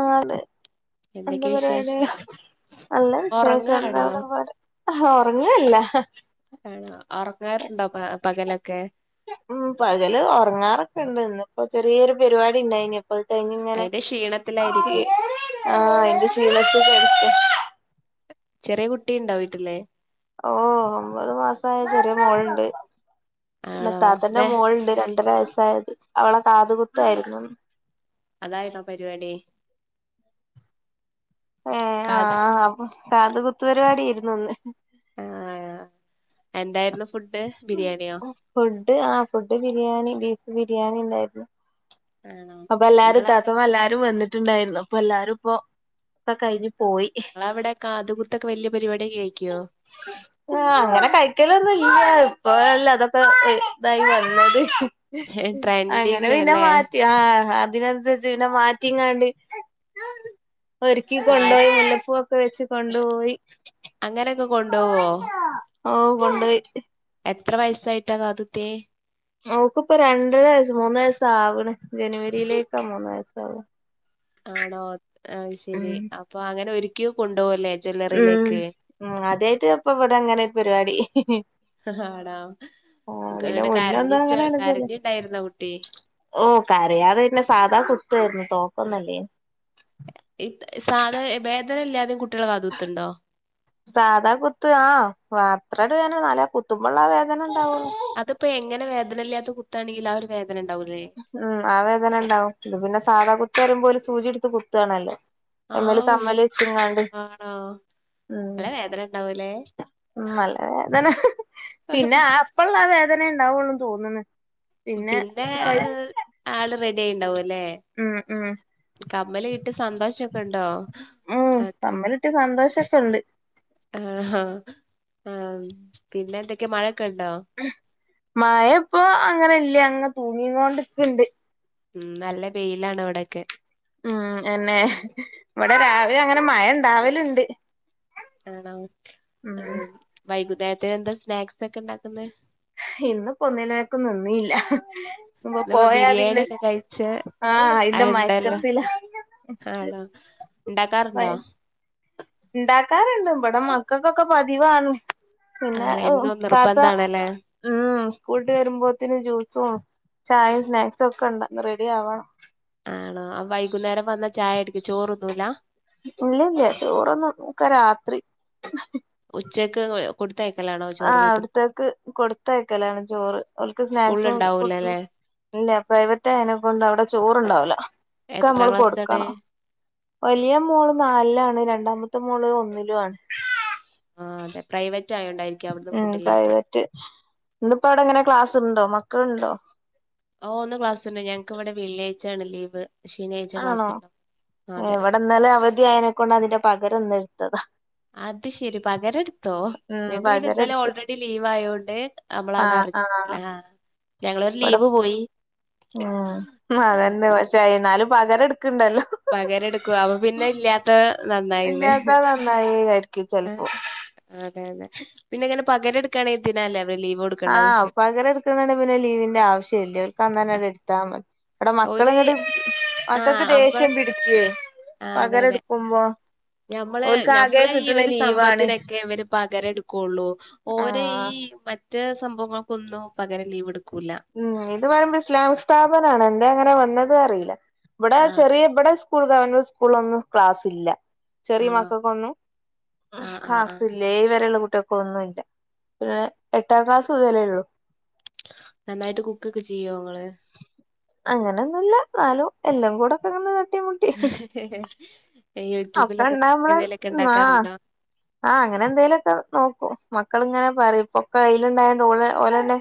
ആണ് എന്താ എന്തൊക്കെ വിശേഷം പറയാനുള്ളെ നല്ല വിശേഷം എന്താ ഉറങ്ങാണോ ഇവ്ടെ പറ ആഹ് ഒറങ്ങിയോ എല്ലാം ആണോ ഒറങ്ങാറുണ്ടോ അ പകലൊക്കെ. ഉംഹ് പകല് ഒറങ്ങാറൊക്കെ ഒണ്ട് ഇന്ന് ഇപ്പൊ ചെറിയരു പരുപാടി ഇണ്ടായിരിന്ന്. പോയ് കഴിഞ്ഞ് ഇങ്ങനെ അയിന്റെ ആ ക്ഷീണത്തിലായിരിക്കും ആഹ് അതിന്റെ ശീണൊക്കെ കഴിഞ്ഞ് ചെറിയ കുട്ടിയിണ്ടാേ വീട്ടിലെ ഓഹ് ഒമ്പത് മാസയായ ചെറിയ മോൾ ഇണ്ട്. പിന്നെ ആണോ താത്തന്റെ ദേ മോളുണ്ട് രണ്ടര വയസ്സായത് അവളെ കാത് കുത്തായിരുന്നു ഇന്ന് അത് ആയിരുന്നോ പരിപാടി. ഏഹ് കാ ആഹ് അപ്പൊ കാത് കുത്തുപരിപാടി ആയിരുന്നു ഇന്ന്. ആഹ് എന്തായിരുന്നു ഫുഡ് ബിരിയാണിയോ? ഫുഡ് ആ ഫുഡ് ബിരിയാണി ബീഫ് ബിരിയാണി ഒണ്ടായിരുന്നു. ആണോ അപ്പൊ എല്ലാരും നിങ്ങളവിടെ ഇത്താത്ത എല്ലാരും വന്നിട്ടുണ്ടായിരുന്നു അപ്പൊ എല്ലാരും ഇപ്പൊ ഒക്കെ കഴിഞ്ഞ് പോയി. നിങ്ങടെ അവിടെ കാത് കുത്തൊക്കെ വലിയ പരിപാടി അയിക്കുവോ. ആഹ് അങ്ങനെ കഴിക്കലൊന്നും ഇല്ല്യാ ഇപ്പൊഴല്ലെ അതൊക്കെ ഇതായി വന്നത്. അങ്ങനെ ട്രെൻഡിങ് പിന്നെ അല്ലേ മാറ്റി. ആഹ് അതിന് അനുസരിച്ച് പിന്നെ മാറ്റിയും കണ്ടും ഒരുക്കി കൊണ്ടുപോയി മാറ്റി മുല്ലപ്പൂവൊക്കെ വെച്ച് കൊണ്ടുപോയി. അങ്ങനെ അങ്ങ് കൊണ്ടു പോവോ. ഓഹ് കൊണ്ട്പോയി. എത്ര വയസ്സായിട്ടാ കാത്കുത്തിയെ ഓക്കിയിപ്പം രണ്ടര വയസ് മൂന്ന് വയസാവണ് ജനുവരിയിലേക്കാ മൂന്ന് വയസ് ആകുക ആണോ അഹ് ശരി ഉം അപ്പൊ അങ്ങനെ ഒരുക്കി കൊണ്ടുപോവല്ലേ ജ്വല്ലറിയിലേക്ക്. ഉംഹ് അദ്യായിട്ട് ഇപ്പെ ഇവ്ടെ അങ്ങനെ ഒരു പരിപാടി. ആണോ ആഹ് ഇതിന് എന്നിട്ട് മുന്നൊന്നും കരഞ്ഞിട്ട് കരഞ്ഞിട്ടായിരുന്നോ കുട്ടി. ഓഹ് കരയാതെ പിന്നെ സാധാ കുത്തായിരുന്നു തോക്കൊന്നുമല്ലേ സാധ വേദന ഇല്ലാതെ കുട്ടികളെ കുത്തുന്നുണ്ടോ. സാധാ കുത്ത് ആ അത്രയൊരു വേദന നല്ല കുത്തുമ്പോഴുള്ള വേദന ഉണ്ടാകുവുള്ളു അതിപ്പോ എങ്ങനെ വേദന ഇല്ലാത്ത കുത്തണെങ്കില ആ ഒരു വേദന ഉണ്ടാവൂല്ലേ. ഉം ആ വേദന ഒണ്ടാവും ഇത് പിന്നെ സാധാ കുത്ത് വരുമ്പോല് സൂചി എടുത്ത് കുത്താണല്ലോ എയ്മ്മൽ ആവൂ തമ്മല് വെച്ചാങ്ങാണ്ട് ആണോ ഉംഹ് നല്ല വേദന ഉണ്ടാവൂലേ. ആഹ് നല്ല വേദന പിന്നെ അപ്പള്ള ആ വേദന ഇണ്ടാവുള്ളെന്ന് തോന്നുന്നെ പിന്നെ ആള് റെഡിയായി ഉണ്ടാവും അല്ലേ. ഉംഹ് കമ്മല് കിട്ടയ സന്തോഷൊക്കെ ഒണ്ടോ. ഉംഹ് കമ്മല് കിട്ടിയ സന്തോഷൊക്കെയൊണ്ട് ആഹ് ആ പിന്നെന്തെക്കെ മഴയൊക്കെ ഒണ്ടോ മഴ ഇപ്പോ അങ്ങനെ ഇല്ല്യാ അങ്ങെ തൂങ്ങിങ്ങോണ്ട്ക്കിണ്ട് ഉംഹ് നല്ല വെയിലാണ് ഇവടൊക്കെ ആഹ് എന്നെ ഇവ്ടെ രാവിലെ അങ്ങനെ മഴ ഉണ്ടാവല് ഉണ്ട് ആണോ ഉംഹ് വൈകുന്നേരത്തെയെന്താ സ്നാക്സെക്കെ ഇണ്ടാക്കെന്നേ ഇന്ന്പ്പൊന്നിലേക്കും നിന്നീല്ല ഇമ്പ ഇന്ന് പോയാ ബിരിയാണി പിന്നെ ഒക്കെ സ് കഴിച്ച് ആഹ് ഐന്റെ മയക്കത്തിലാ ആണൊ ഇണ്ടാക്കാറ്ണ്ടോ ഇണ്ടാക്കാറ്ണ്ട് ഇപടെ മക്കക്കൊക്കെ പതിവാണ് പിന്നെ ആണോ എന്നും താത്ത നിർബന്ധാണല്ലേ ഉം സ്കൂൾട്ട് വരുമ്പോത്തിന് ജൂസും ചായിം സ്നാക്സൊക്കെ ഇണ്ട റെഡി ആവണം ആണോ അവൈകുന്നേരം വന്ന ചായട്ക്ക് ചോറുന്നൂല്ല ഇല്ല്യല്ല്യ ചോറൊന്നും ഒക്കെ രാത്രി ഉച്ചക്ക് [unintelligible] കൊട്ത്തയക്കലാണോ ആഹ് വ്ട്ത്തേക്ക് കൊടുത്തയക്കലാണ് ചോറ് ഓൽക്ക് സ്കൂളിൽ സ്നാക്സും ഫുണ്ടും ഉണ്ടാവൂലല്ലേ ഇല്ല പ്രൈവറ്റായേനെ കൊണ്ട് അവ്ടെ ചോറ്ണ്ടാവുല എത്രാം ക്കെമ്മള് ക്ലാസ്സിലാണ് കൊട്ക്കണം വലിയ മോള് നാൽലാണ് രണ്ടാമത്തെ മോള് ഒന്നിലു ആണ് ആഹ് അതെ പ്രൈവറ്റായോണ്ടായിരി ഉം പ്രൈവറ്റ് ഇന്ന്പ്പ അവ്ടെങ്ങനെ ക്ലാസ്ണ്ടോ മക്കൾണ്ടോ ഓഹ് ഇന്ന് ക്ലാസ്ണ്ട് ഞങ്ങ്ക്ക് ഇവടെ വെള്ളിയാഴ്ച്ചാണ് ലീവ് ശനിയാഴ്ച ക്ലാസ് ആണോ ഉണ്ടാവും അതെ ഇവടെ ഇന്നലെ അവധി ആയനെക്കൊണ്ട് അതിന്റെ പകരന്ന്ട്ത്തതാ അത് ശെരി പകരട്ത്തോ ഉം ഞങ്ങ്ക്ക് പിന്നെ പകരം ഇന്നലെ എടുത്ത് ഓൾറെഡി ലീവായോണ്ട് ആഹ് അമ്മളതറ് ആഹ് ലാ ഞങ്ങളൊരു ഇവിടെ ലീവ് പോയി ഉം ആ അതന്നെ പക്ഷേ അയ്ന്നാലും പകരട്ക്ക്ണ്ടല്ലോ പകരട്ക്കു അപ്പ പിന്നെ ഇല്ല്യാത്തഹ് ഇല്ലാത്ത നന്നായിന്ന്ഹ് നന്നായി ആയിരിക്കും ആഹ് ചെലപ്പോ അതെന്നെ പിന്നെങ്ങനെ പകരട്ക്കാണേ എന്തിനാല്ലെ അവര് ലീവൊട് ആഹ് പകരട്ക്ക്ണാണേ പിന്നെ ലീവിന്റെ ആവശ്യല്ല്യ ഓൽക്ക് അന്നെന്നൺട്ത്താ മത് ഇബടെ ഒരു മക്കള്ങ്ങട്ട് ആഹ് മക്കക്ക് അമ്മള ദേഷ്യം പിടിക്ക്യേ പകരട്ക്ക്മ്പൊ ഞമ്മളെ ഞമ്മളെ ഈ ഒര് ലീവാണ് സംഭവത്തിനെക്കെ അവര് പകരട്ക്കൊള്ളൂ ഓരെ ആഹ് ഈ മ റ്റേ സംഭവങ്ങൾക്കൊന്നും പകരം ലീവ്ട്ക്കൂല ഉം ഇത് പറിമ്പം ഇസ്ലാമിക് സ്ഥാപനാണ് എന്തേ അങ്ങനെ വന്നന്ന് അറീല ഇബ്ടെ ആഹ് ചെറിയ ഇബ്ടെ സ് കൂൾ ഗവൺമെന്റ് സ്കൂളൊന്നും ക്ലാസ് ഇല്ല ചെറിയ ആണോ മക്കൾക്കൊന്നും ആഹ് ആഹ് ആഹ് ക്ലാസി ലേയ് വരേള്ള കുട്യാകൊന്നുല്ല പിന്നെ എട്ടാം ക്ലാസ് ഉതലേള്ളൂ നന്നായിട്ട് കുക്കൊക്കെ ചെയ്യോങ്ങള് അങ്ങനെന്നുല്ല ന്നാലും എല്ലം കൂടെക്കൊങ്ങനെ തട്ടി മുട്ടി ഹെ ഹെ യൂട്യൂബിലക്കെ എന്തേലൊക്കെണ്ടാക്കാറ്ണ്ടോ ആഹ് ങ്ങനെ എന്തേലൊക്കെ നോക്കും മക്കള് ങ്ങനെ പറിം ഇപ്പൊക്ക യ്ല്ണ്ടായോണ്ട് ഓള് ഓലന്നെ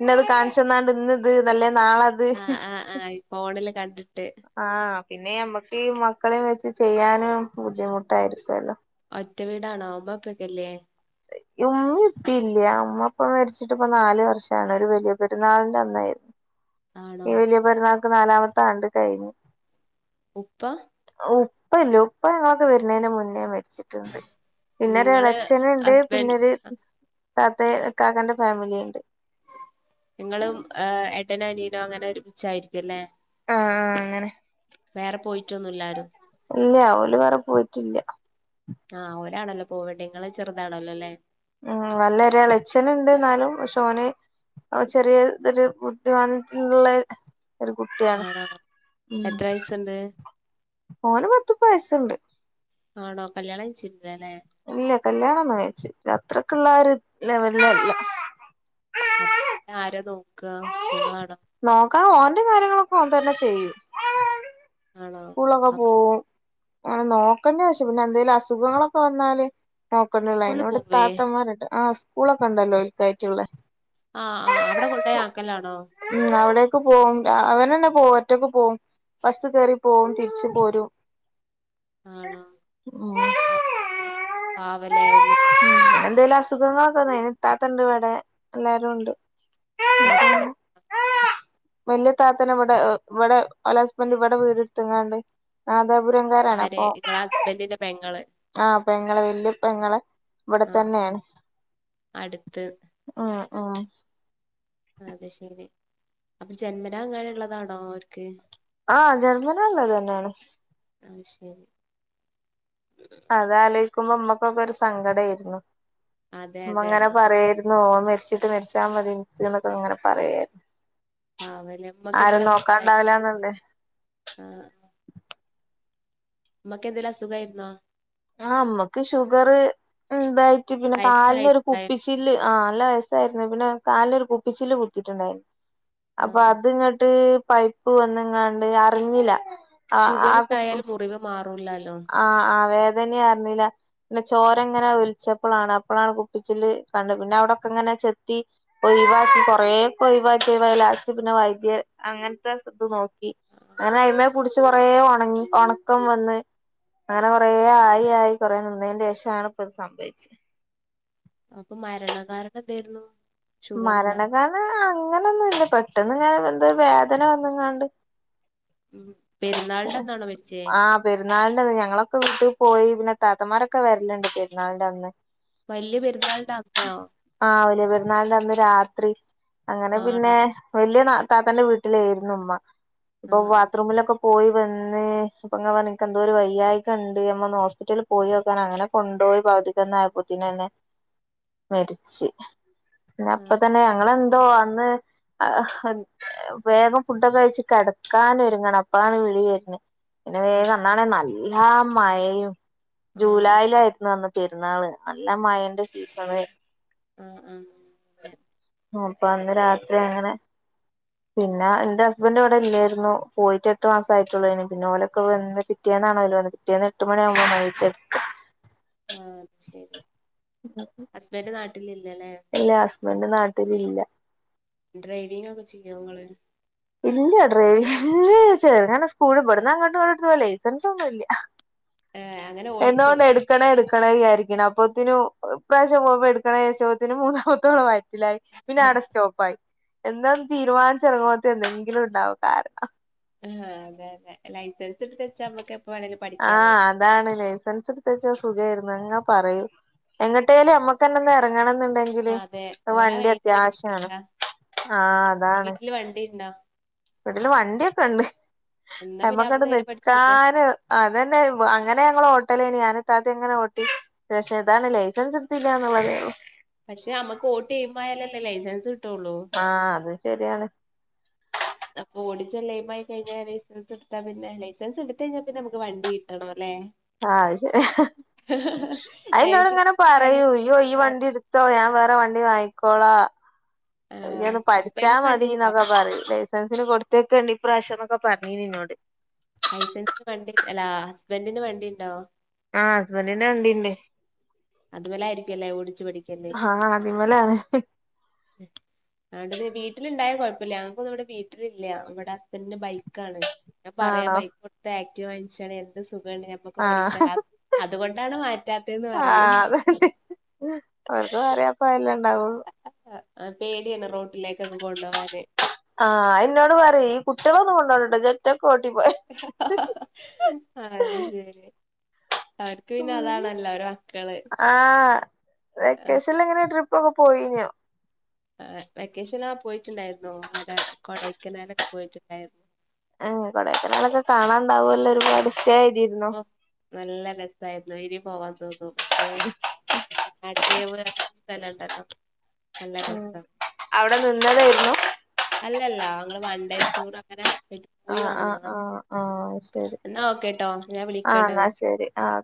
ഇന്നത് കാൺച്ചന്നാണ്ട് ഇന്ന്ത് നല്ലേ നാളെ ആഹ് ആഹ് ആഹ് ഇഫോണില് കണ്ട്ട്ട് ആഹ് പിന്നെയമ്മക്കീ മക്കളേം വെച്ച് ചെയ്യാനും ബുദ്ധിമുട്ടായിരിക്കൊല്ലോ ഒറ്റ വീടാണോ ബാപ്പിയൊക്കല്ലേ യുമ്മിംപ്പില്ല്യാ ഉമ്മ പ്പ മരിച്ചിട്ട്പ്പ നാല് വർഷാണ് ഒരു വലിയ പെരുന്നാൾന്റെ അന്നേ ഈ ആണോ വല്യയ പെര്ന്നാക്ക് നാലാമത്തെ ആണ്ട് കയ്ഞ്ഞു ഉപ്പ ഉപ്പല്ലോ ഉപ്പ ങ്ങളൊക്കെ വരുന്നേന്റെ മുന്നേ മര്ച്ചി ട്ട്ണ്ട് പിന്നര് നിങ്ങള് എളേച്ചന്ണ്ട് ഹസ്ബൻഡ് പിന്നര് താത്തേ ഇക്കാക്കന്റ ഫാമിലീണ്ട് ങ്ങളും ഏഹ് എട്ടനു അനിയനോങ്ങനെ ഒരുമിച്ചായിരിക്ക്യുല്ലേ ആഹ് ആഹ് അങ്ങനെ വേറെ പോയിറ്റൊന്നുല്ലാരും ഇല്ല്യാഹ് ഓല് വേറെ പോയിറ്റില്ല ആഹ് ഒരാണല്ലോ പോവണ്ടെ ഇങ്ങള് ചെറുതാണല്ലോല്ലേ? ഉം അല്ല ഒരെളച്ഛനിണ്ട്ന്നാലും പഷേ ഓന് ഓൻ ചെറീയെ ഒരു ബുദ്ധിമനിട്ട് ഇള്ളെ ഒരു കുട്ടിയാണ് ആണോ മ്മ് എത്ര വയസുണ്ട് ഓന് പത്തുപ്പത് വയസ്സിണ്ട് ആണോ കല്ല്യാണയ്ചിട്ടില്ലാലെ ഇല്ല കല്ല്യാണൊന്നും കയിച്ചിട്ടില്ല അത്രയ്ക്ക്‌ള്ളാ ഒരു ലെവല്ല് അല്ല അ പിന്നാര നോക്കാ നിങ്ങളാണൊ? നോക്കാ ഓന്റെ കാര്യങ്ങളൊക്കെ ഓൻ തന്നെ ചെയ്യും ആണോ? സ്കൂളൊക്കെ പോവും ഏ [inaudible] നോക്കണ്ടാവിശ്യം പിന്നെ എന്തേലും അസുഖങ്ങളൊക്കെ വന്നാല് നോക്കണ്ടുള്ള സ്കൂളിൽ അയ്‌നിവിടെ പോവേ താത്തമാര്ണ്ട്. ആഹ് സ്കൂളൊക്കെണ്ടല്ലോ ഓൽക്കായിറ്റ്ള്ളെ ആഹ് ആഹ് ആഹ് അവിടെ കൊണ്ടോയി ആക്കലാണോ ഉം അവിടേക്ക് പോവും ര അവനന്നെ പോവും ഒറ്റക്ക് പോവും ബസ്സ് കേറി പോവും തിരിച്ച് പോരും ആണോ ഉം ആപ്പൊ പാവലെ ഉമ്മ എന്തേലും അസുഖങ്ങളൊക്കെ വന്നയ്‌ന് ഇത്താത്തണ്ടിവടെ എല്ലാരുണ്ട്. നാത്തൂമാ വല്ല്യ ഇതാത്തനെവിടെ ഹ് ഇവിടെ ഓലെ ഹസ്ബന്റ് ഇവടെ വീട് ഇട് ത്ത്ങ്ങാണ്ട് നദാപുരംകാരാണ് ആര് അപ്പൊ നിങ്ങളെ ഹസ്ബൻഡിന്റെ പെങ്ങള് ആഹ് പെങ്ങളെ വല്ല്യ പെങ്ങളെ ഇവടെ ആഹ് തന്നേണ്. അടുത്ത് ആഹ് ആഹ് അത്ശെരി അപ്പ ജന്മനാ അങ്ങനെള്ളതാണോ ഓര്ക്ക് ആഹ് ജന്മനാള്ളതന്നേണ് അത് ശരി അതാലോയ്ക്കുമ്പോ ഇമ്മക്കൊക്കൊരു സങ്കടേയ്ര്ന്നു അതെ അതെ ഇമ്മങ്ങനെ ആഹ് പറയേര്ന്നു ഓൻ മരിച്ചിട്ട് മരിച്ചാ മതി ഇൻക്ക്‌ ന്നൊക്കെ ഇങ്ങനെ പറയേര്ന്നു പാവല്ലേ ഉമ്മക്ക് ആരും എന്തേലും അസുഖായിരുന്നോ നോക്കാണ്ടാവൂലാന്നൊണ്ട് ആഹ് ഇമ്മക്കെന്തെങ്കിലു അസുഖായിരുന്നോ? ആഹ് ഇമ്മക്ക് ഷുഗറ് ഇണ്ടായിറ്റ് പിന്നെ കാൽനൊരു വയസ്സായിട്ടുണ്ടായിരുന്നോ കുപ്പിച്ചില്ല് ആഹ് നല്ല വയസ്സായിരുന്ന് പിന്നെ കാൽനൊരു കുപ്പിച്ചില് കുത്തിറ്റ്ണ്ടായിനി അപ്പ ആഹ് ആഹ് അത്ങ്ങട്ട് പൈപ്പ് വന്ന്ങ്ങാണ്ട് അറിഞ്ഞില ഷുഗറ്ണ്ടായാലും മുറിവ് മാറൂല്ലാലോ ആഹ് ആഹ് വേദനയാർന്നില പിന്നെ ചോരങ്ങനെ ഒൽച്ചപ്പളാണ് അപ്പളാണ് കുപ്പിച്ചില് കണ്ട് പിന്നവിടൊക്കങ്ങനെ ചെത്തി ഒയ്‌‌വാക്കി കൊറേക്കൊയ്‌വാക്കി വയ്‌ ലാസ്റ്റ്‌ പിന്നെ വൈദ്യ അങ്ങൻത്തെ സ് അത് നോ ക്കി ആഹ് അങ്ങനെ അയിമ്മെ പുടിച്ച് കൊറേ ഒണങ്ങി ഒണക്കം വന്ന് അങ്ങനെ കൊറേ ആയി ആയി കൊറേ നിന്നേന്റെഷാണിപ്പത് സംഭവിച്ച അപ്പ മരണകാരണെന്തേയിരുന്നു മരണകാരണം അങ്ങനൊന്നുല്ല പെട്ടന്നിങ്ങനെ എന്തോ ഒര് വേദന വന്നിങ്ങാണ്ട് മ്മ് പെരുന്നാൾന്റന്നാണോ മരിച്ചേ? പെരുന്നാൾന്റന്ന് ഞങ്ങളൊക്കെ വീട്ടി പോയി പിന്നെ താത്തമ്മാരൊക്കെ വര്ല്ണ്ട് പെരുന്നാൾന്റന്ന് വല്ല്യപെരുന്നാൾന്റന്നോ? ആഹ് വലിയപെരുന്നാൾന്റന്ന് രാത്രി അങ്ങനെ ആണോ പിന്നെ വല്ല്യ നാ താത്തന്റെ വീട്ടിലായിരുന്നുമ്മ ഇപ്പൊ ആഹ് ബാത്റൂമിലൊക്കെ പോ പോയി വന്ന് അപ്പം ങ്ങനെ പറഞ്ഞ് ഇന്ക് എന്തോ ഒരു വയ്യായിക ഇണ്ട് അമ്മ ഒന്ന് ഹോസ്പിറ്റലിൽ പോയി നോക്കാനാ അങ്ങനെ കൊണ്ടോയി ബാധിക്കുന്നായപ്പോത്തിനന്നെ മരിച്ച് പിന്നെ അപ്പ ആഹ് തന്നെ ഞങ്ങളത് എന്തോ അന്ന് ആഹ് വേഗം ഫുഡൊക്കെ കഴിച്ച് കെടക്കാനൊരുങ്ങണം ഇപ്പളാണ് വിളി വരണെ പിന്നെ ആഹ് വേഗം അന്നാണെ നല്ലോണം മഴയും ജൂലായിലായിരുന്നു അന്ന് പെരുന്നാള് നല്ല മഴന്റെ സീസണ് ആഹ് ആഹ് അങ്ങനെ ഓഹ് അപ്പൊ അന്ന് രാത്രി അങ്ങനെ പിന്നാ ഇന്റെ ഹസ്ബൻഡ് ഇവിടെ ഇല്ലേരുന്നു പോയിട്ട് എട്ട് മാസം ആയിട്ടൊള്ളോനി പിന്നെ ഓലെക്കെ വന്ന് പിറ്റേന്ന് ആണല്ലോ പിറ്റേന്ന് എട്ട് മണിയാകുമ്പോ മയ്യത്തെടുത്ത് ആഹ് ശെരി ഹസ്ബൻ്റ് നാട്ടിൽ ഇല്ലല്ലേ ഇല്ലാ ഹസ്ബൻ്റ് നാട്ടില് ഇല്ല ഡ്രൈവിംഗൊക്കെ ചെയ്യോ ഇങ്ങള് ഇല്ല ഡ്രൈവിംഗ് [unintelligible] സ്കൂളി ഇവടുന്നു അങ്ങോട്ട് ഇങ്ങട്ട് പോവും ലൈസൻസ് ഒന്നും ഇല്ല ഏഹ് അങ്ങനെ ഓടിക്കോ എന്തുകൊണ്ട് എടു എടുക്കണം എടുക്കണം വിചാരിക്ക്ണ് അപ്പോത്തിനും ഈ പ്രാവിശ്യം പോവുമ്പോ എടുക്കണം വിചാരിച്ചപ്പോത്തിന് മൂന്നാമാത്തോളും വയ ലായി പിന്നെ അവിടെ സ്റ്റോപ്പ് ആയി എന്നാ തീരുമാനിച്ചിറങ്ങുമ്പത്തിന് എന്തെങ്കിലും ഇണ്ടാവും കാരണം ആഹ് അതെ അതെ ലൈസൻസ് എടുത്ത് വെച്ചാ നമ്മക് എപ്പ വേണേലും ആഹ് പഠിക്കാലോല്ലേ അതാണ് ലൈസൻസ് എടുത്ത് വെച്ചാ സുഖായിരുന്നു അങ്ങ പറയും എങ്ങട്ടേലും നമ്മക്കെന്നെ ഒന്ന് എറങ്ങണന്നുണ്ടെ ങ്കില് ആഹ് അതെ ഓരെ വണ്ടി കയ്യും കാലും അത്യാവശ്യാണ് പിടിക്കണ്ട ആഹ് അതാണ് വീട്ടില് വണ്ടി ഇണ്ടാ വീട്ടില് വണ്ടിയൊക്കെണ്ട് എന്നാ നമ്മക് പിന്നെ അങ്ങട്ട് അവിടുന്ന് ഇങ്ങനെ പഠിച്ചൂടെ നിക്കാന് അതന്നെ അങ്ങനെ ഞങ്ങൾ ഓട്ടലേനി ഞാനും ഇത്താത്തേം ഇങ്ങനെ ഓ പക്ഷെ ഇതാണ് ലൈസൻസ് എടുത്തില്ലാന്നുള്ള [unintelligible] പക്ഷെ നമ്മുക്ക് ഓട്ടി എയിം അയാലല്ലേ ലൈസൻസ് കിട്ടുള്ളൂ ആഹ് അതും ശെരിയാണ് അപ്പൊ ഓടിച്ച് [unintelligible] ആയി കഴിഞ്ഞാൽ ലൈസൻസ് എടുത്താ പിന്നെ ലൈസൻസ് എടുത്ത കഴിഞ്ഞാൽ പിന്നെ നമുക്ക് വണ്ടി കിട്ടണോല്ലേ ആഹ് അത് ശെരിയാ അതിന്നോട് ലൈസൻസ് ഇങ്ങനെ കയ്യി പറയും ഇയ്യോ ഈ വണ്ടി എടു ത്തോ ഞാൻ വേറെ വണ്ടി വാങ്ങിക്കോളാ ആണോ ഇയ്യ് ഒന്ന് പഠിച്ചാ ഹസ്ബൻഡിന് വണ്ടി മതി ഇണ്ടോ എന്നൊക്കെ പറയും ലൈസൻസിന് കൊടു [unintelligible] ഈ പ്രാവിശ്യംന്നൊക്കെ പറഞ്ഞീനി ഇന്നോട് ലൈസൻസിന് വണ്ടി അല്ലാ ഹസ്ബൻഡ് ന് വണ്ടി ഇണ്ടോ ആഹ് ഹസ്ബന്റിന് വണ്ടി ഇണ്ട് അതുമ്മേലായിരിക്കുവല്ലേ ഓടിച്ചു പഠിക്കല് ഇതിമ്മലാണ് ആഹ് ഇണ്ട് പിന്നെ വീട്ടിലിണ്ടായ കുഴപ്പല്ല ഞക്കൊന്നുവിട വീട്ടിലില്ല നമ്മടെ ഹസ്ബൻഡിന്റെ ബൈക്കാണ് ഞാൻ പറയാ ആ ആണോ ബൈക്ക് കൊടുത്തു ആക്ടീവ വങ്ങിച്ചാലെന്ത് സുഖാണ് അപ്പൊ ആഹ് പഠിക്കാൻ അതുകൊണ്ടാണ് മാറ്റാത്തന്ന് പറയും ആഹ് അതന്നെ അവർക്ക് പറയാൻ അപ്പൊ അതല്ലേ ഇണ്ടാവുള്ളൂ ആഹ് പേടിയാണ് റോട്ടിലേക്ക് ഒക്കെ കൊണ്ടുപോകാന് ആഹ് ഇന്നോട് പറയും ഈ കുട്ട്യാളെ ഒന്നും കൊണ്ടോവൂലട്ടോ ഇജ് [unintelligible] ഓട്ടി പോയാൽ അത് ശരി അവർക്ക് പിന്നെ അതാണല്ലോ അവരെ മക്കള് അഹ് ആ, വെക്കേഷനിൽ എങ്ങനെയ ട്രിപ്പ് ഓഹ് പോയിനിയോ ആ വെക്കേഷൻ പോയിട്ടുണ്ടായിരുന്നു ഇവിടെ കൊടൈക്കനാൽ ഒക്കെ പോയിട്ടുണ്ടായിരുന്നു അഹ് കൊടൈക്കനാൽ കാണാണ്ടാവുമല്ലോ ഒരുപാട് സ്റ്റേ ചെയ്തിരുന്നോ ഓ നല്ല രസായിരുന്നു ഇനി പോവാൻ തോന്നും മറ്റേ [unintelligible] കേവ് അങ്ങനത്തെ സ്ഥലംണ്ടല്ലോ ഉം അവിടെ നിന്നതേയ്ന്നു അല്ലല്ല ങ്ങള് വൺ ഡേ ടൂർ അങ്ങനെ പോയി ആഹ് ആഹ് വന്നതാ ആഹ് ആഹ് ശരി ഇന്നാ ഓക്കെട്ടോ ഞാൻ ആഹ് വിളിക്കട്ടൊ എന്നാ ശരി ആഹ്